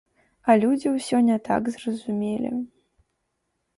А людзі ўсё не так зразумелі.